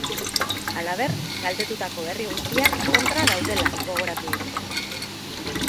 Halaber, kaltetutako herri guztiak kontra daudela gogoratu dute.